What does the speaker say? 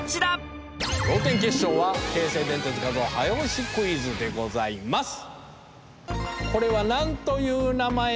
同点決勝は「京成電鉄画像早押しクイズ」でございます。